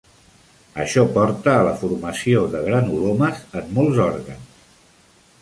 Això porta a la formació de granulomes en molts òrgans.